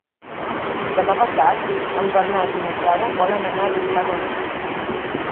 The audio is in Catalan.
Demà passat en Bernat i na Carla volen anar a visitar mon oncle.